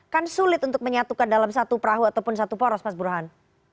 kan sulit untuk menyatukan dalam satu perahu ataupun satu poros mas burhan